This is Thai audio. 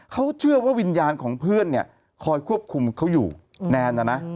เขาเชื่อว่าวิญญาณของเพื่อนเนี่ยคอยควบคุมเขาอยู่แนนนะนะ